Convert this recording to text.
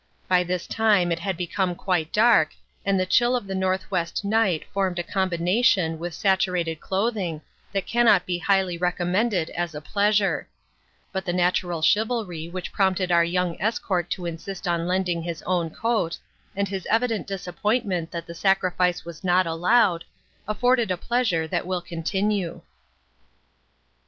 By this time it had become quite dark, and the chill of the northwest night formed a combination with saturated clothing that cannot be highly recommended as a pleasure; but the natural chivalry which prompted our young escort to insist on lending his own coat, and his evident disappointment that the sacrifice was not allowed, afforded a pleasure that will continue.